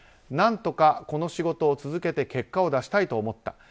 何とか、この仕事を続けて結果を出したいと思った。